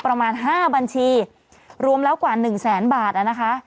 ประมาณ๕บัญชีรวมแล้วกว่าหนึ่งแสนบาทนะคะ